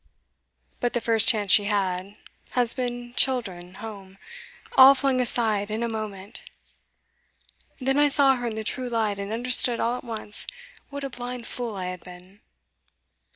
But the first chance she had husband, children, home, all flung aside in a moment. Then I saw her in the true light, and understood all at once what a blind fool I had been.